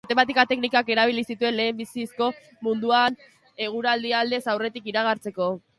Matematika-teknikak erabili zituen lehenbizikoz munduan, eguraldia aldez aurretik iragartzeko.